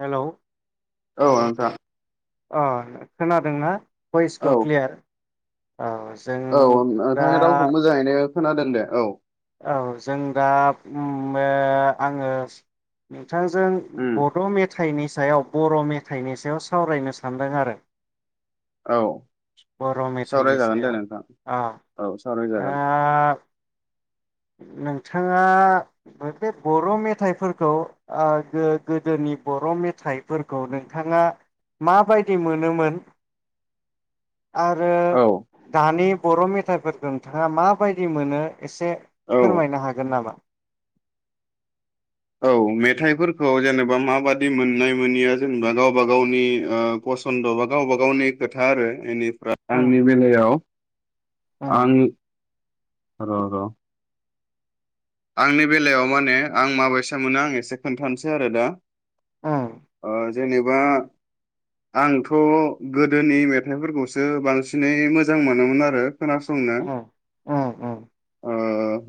Hello औ नोंथां अ खोनादोंना औ भइसखौ क्लियार औ जों औ दा नोंथांनि रावखौ मोजाङैनो खोना दोन दे औ औ जों दा उम बे आंङो थांजों उम बड मेथाइनि सायाव बर मेथाइनि सायाव सावरायनो सान्दों आरो औ बर' मेथाइनि सावरायजागोन दे सायाव नोंथां अ औ सावरायजागोन ओ नोंथाङा बे बर' मेथाइफोरखौ ओ गोदोनि बर' मेथाइफोरखौ नोंथाङा माबायदि मोनोमोन आरो औ दानि बर मेथाइफोरखौ नोंथाङा माबायदि मोनो एसे औ फोरमायनो हागोन नामा औ मेथाइफोरखौ जेनेबा माबादि मोननाय मोनिया जेनेबा गावबा गावनि पसन्द बा गावबा गावनि खोथा आरो एनि आंनि ओं बेलायाव ओं आं र' र' आंनि बेलायाव माने आं माबायसा मोनो आं एसे खोन्थानोसै आरो दा ओं ओ जेनेबा आंथ' गोदोनि मेथाइफोरखौसो बांसिनै मोजां मोनोमोन आरो खोनासंनो। ओं ओं ओं ओ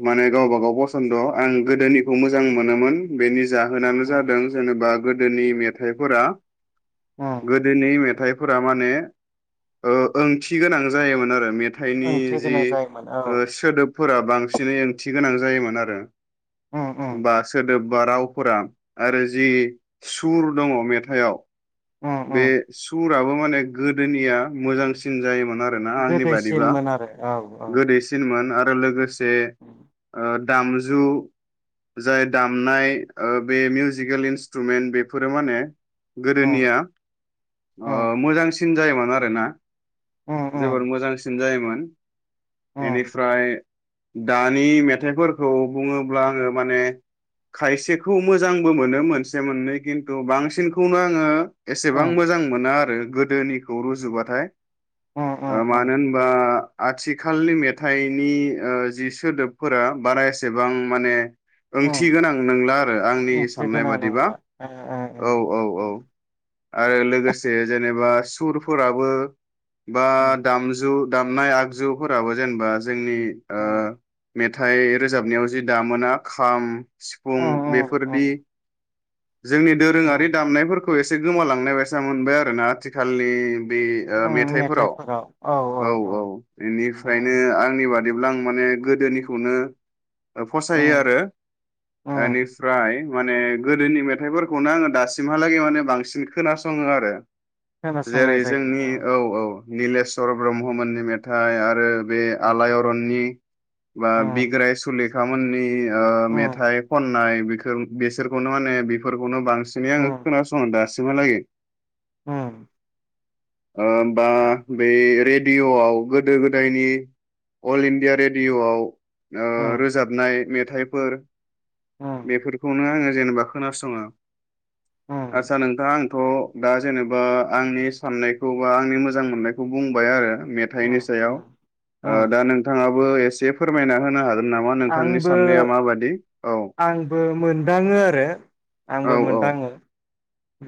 माने गावबा गाव बस न्द' आं गोदोनिखौ मोजां मोनोमोन बेनि जाहोनानो ओं जादों जेनेबा गो नि मेथाइफोरा ओं गोदोनि मेथाइफोरा माने ओ ओंथि गोनां जायोमोन आरो मे ओंथि थाइनि जि गोनां जायोमोन औ ओ सोदोब फोरा बांसिनै ओंथि गोनां जायोमोन आरो। रो उम उम ओमबा सोदोब बा रावफोरा आरो जि सुर दङ मेथायाव उम बे उम सुराबो माने गोदोनिया मोजांसिन जायोमोन। आरोना आंनि बादिबा गोदैसिनमोन आरो औ औ गोदैसिनमोन। लोगो लोगोसे से उम ओ दामजु जाय दामनाय ओ बे मिउजिकेल इन्सट्रुमेन्ट बेफोरो माने गोदोनिया उम उम ओ मोजांसिन जायोमोन। आरोना उम उम जोबोद मोजांसिन जायो मोन उम एनिफ्राय दानि मेथाइफोरखौ बुङोब्ला आङो माने खायसेखौ मोजांबो मोनो मोनसे मोननै खिन्थु बांसिनखौनो आङो एसेबां उम मोजां मोना आरो गोदोनिखौ रुजुबाथाय उम ओ उम मानो होनबा आथिखालनि मेथाइनि ओ जि सोदोबफोरा बारा एसेबां माने उम ओंथिगोनां नोंला आरो आंनि ओंथि साननाय गोनां बादिबा नंला ओ ओ ओ औ औ औ उम आरो लोगोसे जेनेबा सुरफोराबो बा उम दामजु दामनाय आगजुफोराबो जेनेबा जोंनि ओ उम मेथाय रोजाबनायाव जि दामोना खाम सिफुं उम बेफोरदि। उम जोंनि दोरोङारि उम दामनायफोरखौ एसे गोमालांनाय बायसा मोनबाय आरोना आथिखालनि बे ओ मेथाइफोराव औ औ बेनिफ्रायनो उम आंनि बादि ब्ला आं माने गोदोनिखौनो फसायो उम आरो उम एनिफ्राय माने गोदोनि मेथाइफोरखौनो आङो दासिमहालागै माने बां सिन खोनासङो आरो। जेरै खोनासंनाय जायो जोंनि औ औ। निलेशवर ब्रह्ममोननि मेथाइ आरो बे ओं आलायारननि बा उम बिग्राय सुलिखा। गामोननि ओ उम मेथाइ खननाय। बिखो बेसोरखौनो माने बेफोरखौनो बांसि सिनै आङो उम खोनासङो दास सिमालागि। उम। होमबा आ बेै रेड डिय'आव गोदो गोदायनि अल इण्डिया रेडिय'आव। ओ उम रोजाबनाय मेथ थाइफोर। उम बेफोरखौनो आङो जेनेबा खोनासङो। उम आदसा नों आंथ' दा जेनेबा आंनि साननायखौ बा आंनि मोजां मोननायखौ बुंबाय आरो। मेथाइनि उम उम सायाव उम दा ओ नोंथाङा बो एसे फोरमायना होनो हागोन नामा नोंथांनि आंबो साननाया माबादि? औ आंबो मोनदाङो आरो। औ आंबो औ मोनदाङो।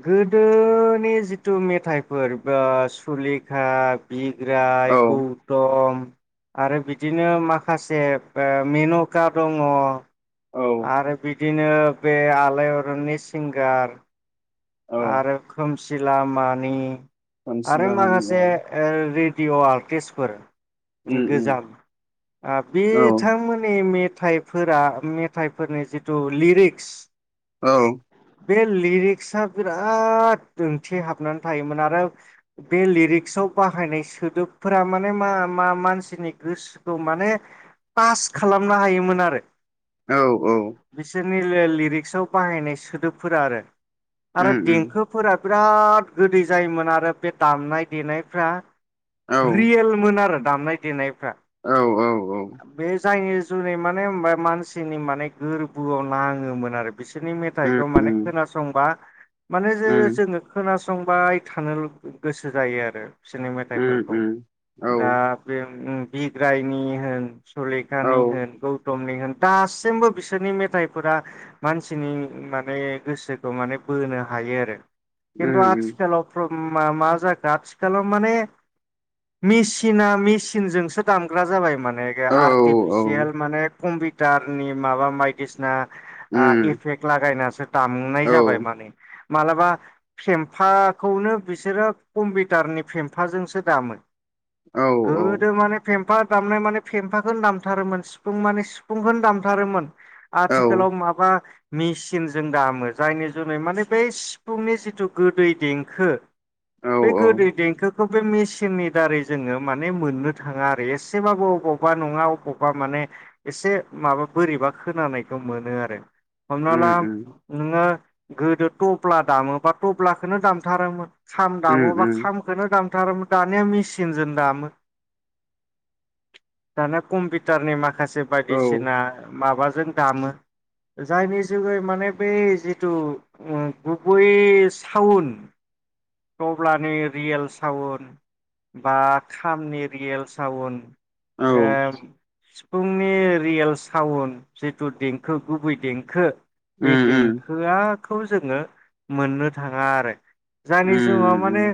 गोदोनि जिथु मेथाइफोर बा सुलिखा बि ग्राय औ गौतम। आरो बिदिनो माखासे मेन'का दङो औ आरो बिदिनो बे आलायारननि सिंगार, औ आरो खोमसिलाम मानि आरो सानसुला मानि माखासे औ ओ रेडिअ'आ पेसफोर उम उम गोजाम ओ औ बिथांमोननि मेट थाइफोरा मेथाइफोरनि जिथु लिरिक्स औ बे लिरिक्स आ बिराद ओंथि हाबनानै थायोमोन आरो बे लिरिक्सआव बाहायनाय सोदोबफोरा माने मा मा मानसिनि गोसोखौ माने टास खालामनो हायोमोनारो। औ औ निले लिरिक्सआव बाहायनाय सोदोबफोरा आरो आरो उम उम देंखोफोरा बिराद गोदै जायोमोन आरो बे दामनाय देनायफ्रा औ रियेलमोन आरो दामनाय देनायफ्रा औ औ औ बे जायनि जुनै माने होनबा मानसिनि माने गोरबोआव नाङोमोन आरो बिसोरनि उम मेथाइखौ उम माने खोनासंबा, माने जे जे उम जोङो खोनासंबाय, थानोल' गोसो जायोआरो। बिसोरनि उम मेथाइफोरखौ उम औ दा बे उम बिग्रायनि होन औ सुलिकानि होन गौतमनि होन दासिमबो बिसोरनि मेथाइफोरा मानसिनि माने गोसोखौ माने बोनो हायो आरो खिन्थु उम उम आथिखालाव प्र मा मा जाखो आथिखालाव माने मिसिना मिसिनजोंसो दामग्रा जाबाय माने औ आरटिफिसियेल माने कम्पिउटारनि माबा बायदिसिना उम एफेक्ट लागायनासो दामनाय औ जाबाय मान मालाबा फेमफाखौनो बिसोरो कम्पिउटारनि फेमफाजोंसो दामो, औ औ गोदो माने फेम्फा, दामनाय माने फेमफाखौनो दामथारोमोन सिफुं माने सिफुंखौनो दामथारोमोन आथिखाालाव माबा, मेसिन जों दामो जायनि जुनै माने बेै सिफुंनि जिथु गोदै देंखो बे गोदै देंखोखौ बे मेसिननि दारै जोङो माने मोन्नो थाङा आरो एसेबाबो अबावबा नङा अबावबा माने एसे माबा बोरैबा खोनानायखौ मोनो आरो उम हमनााल उम नोङो गोदो थब्ला दामोबा थब्लाखौनो दामथारोमोन खाम उम दामोबा उम खामखौनो दामथारोमोन दानिया मेसिन सिनजों दामो दाना कम्पिउटारनि मान माखासे औ बायदिसिना माबा जों दामो जायनि जु माने बे जे जि गुबय सावन तब्लानि रियेल साउन बा खामनि रियेल सावन ए औ उम [unintelligible] फुंनि रियेल साउन जितु देंखो गुबै देंखो बे उम देंखोआ खौ जोङो मोननो थाङा आरो। जायनि जुाव उम माने उम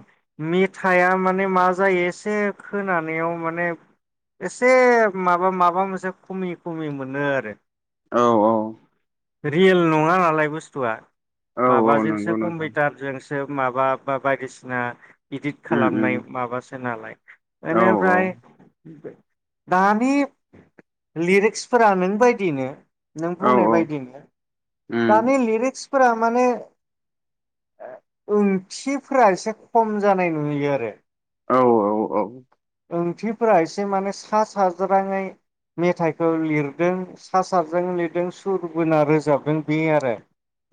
मेथाइआ माने मा जायो एसे खोनानायाव माने एसे माबा माबा मोनसे खमि खमि मोनो आरो। औ औ। रियेल नङा नालाय बुस्थुआ औ औ नंगौ माबाजोंसो नोंथां कम्पिउटारजोंसो माबा बा-बायदिसिना इदिट उम उम खालामनाय माबासो खोलाय औ औ बेनिफ्राय दानि लिरिक्सफोरा नों बायदिनो नों औ बुंनाय औ बायदिनो उम दानि लिरिक्सफोरा माने ओंथिफ्रा एसे खम जानाय नुयो आरो। औ औ ओंथिफोरा एसे माने सा साज्राङै मेथाइखौ लिरदों सा सारज्राङै लिरदों सुर बोना रोजाबदों बे आरो।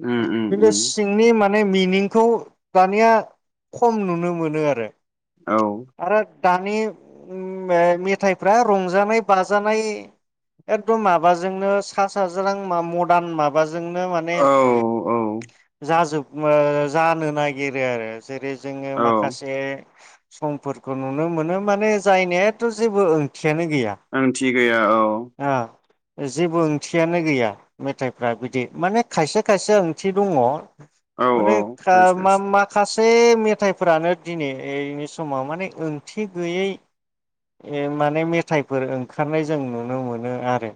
उम उम उम भिलेस सिंनि मान माने मिनिंखौ दानिया खम नुनो मोनो आरो। औ। आरो दानि मे-मेथाइफ्रा रंजानाय बाजानाय एकदम माबाजोंनो सा साज्रां मा मदार्न माबाजों जोंनो माने औ औ जाजोब ओ जानो नागिरो आरो जेरै जोङो औ माखासे समफोरखौ नुनो मोनो माने जायनायाथ जेबो ओंथि गैया ओंथि गैया औ जेबो ओंथियानो गैया मेथाइफ्रा बिदि माने खायसे खायसे ओंथि दङ। औ माने औ आ थारैनो थारैनो मा-माखासे मेथाइफोरानो दिनैनि समाव माने ओं ओंथि गैयै माने मेथाइफोर ओंखारनाय जों नुनो मोनो आरो।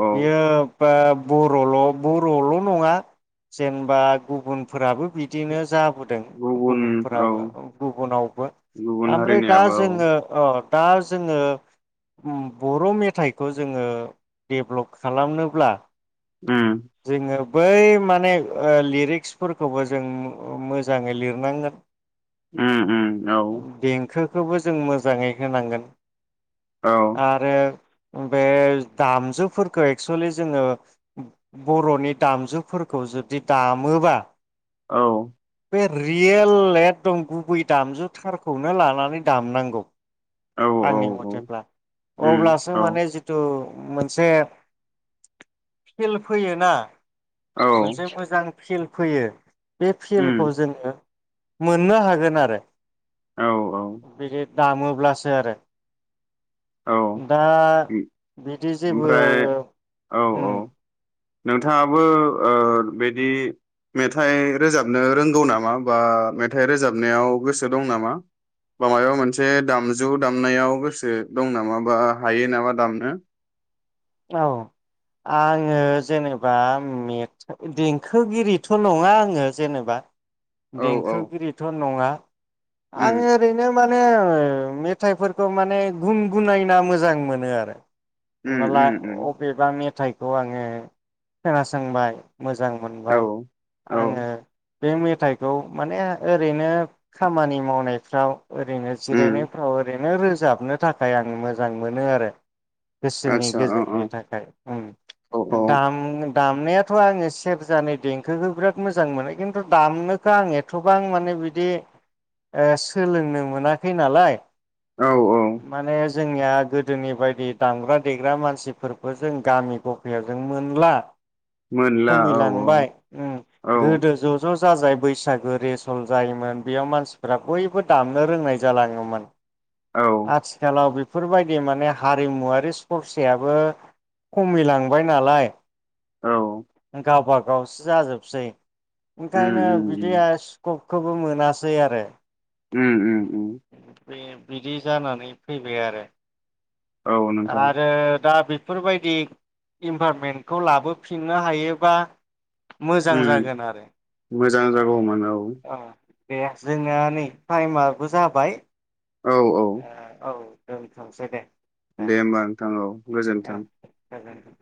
औ बियो बा बर ल बर ल नङा जेनबा गुबुनफोराबो बिदिनो जाबोदों गुबुन औ गुबुनफोराबो गुबुनावबो गुबुन आमफ्राय दा हारिनियाबो औ जोङो अ दा जोङो बर मेथाइखौ जोङो डेभ्लप खालामनोब्ला उम जोङो बै माने लिरिक्सफोरखौबो जों मोजाङै लिरनांगोन उम उम औ खौबो जों मोजाङै होनांगोन औ आरो बे दामजुफोरखौ एक्सुेलि जोङो बर'नि दामजुफोरखौ जुदि दामोबा औ बे रियेल एकदम गुबै दामजुथारखौनो लानानै दामनांगौ औ औ आंनि मथेब्ला उम अब्लासो औ माने जितु मोनसे फिल फैयोना औ मोनसे मोजां फिल फैयो बे उम फिलखौ जोंहो मोननो हागोन आरो औ बिदि [unintelligible] दामोब्लासो आरो औ दा बिदि जेबो ओमफ्राय ओ औ उम औ नोंथाङाबो ओ बेदि मेथाइ रोजाबनो रोंगौ नामा बा मेथाइ रोजाबनायाव गोसो दं नामा बा मायबा मोनसे दामजु दामनायाव गोसो दं नामा बा हायो नामा दामनो? औ आङो जेनेबा मेथ देंखोगिरिथ' नङा आङो जेनेबा औ औ देंखोगिरिथ' नङा आं उम ओरैनो मान [unintelligible] मेथाइफोरखौ माने गुन गुनायना मोजां मोनो आरो उम हमना ला उम उम अबेबा मेथाइ औ आङो खोनासंबाय मोजां औ मोनबाय औ आङो बे मेथाइखौ माने ओरैनो खामानि मावनायफ्राव ओरैनो उम जिरायनायफ्राव ओरै नो रोजाबनो थाखाय आं मोजां मोनो आरो बेसेननि आतसा औ गेजेर औ नि थाखाय औ उम दाम दामनायाथ' आङो सेरजानि देंखोखो बिराद मोजां मोनो किनतु दामनोखो आं एथ'बां माने बिदि ओ सोलोंनो मोनाखै नालाय औ औ माने जोंनिया गोदोनि बायदि दामग्रा देग्रा मानसि फोरफो जों गामि गफायाव जों मोनला। मोनला औ औ खमिलांबाय उम औ गोदो ज' ज' जाजाय बैसागो रेसल जायोमोन बेयाव मानसिफोरा बयबो दामनो रोंनाय जालाङोमोन। औ आथिखालाव बिब बेफोरबायदि माने हारिमुवारि सरसायाबो खमिलांबाय नालाय औ गावबा गावसो जाजोबसै उम ओंखायनो उम बिदिया स्क'क खौबो मोनासै आरो उम उम उम बे बिदि जानानै फैबाय आरो औ नोंथां आरो दा बिब बेफोरबायदि इनभारमेन्टखौ लाबोफिननो हायोबा मोजां उम जागोन आरो मोजां जागौमोन औ। दे जोंना नै टाइमाबो जाबाय। औ औ ओं थांनोसै दे। दे होमबा नोंथां औ गोजोन्थों। गोजोन्थों।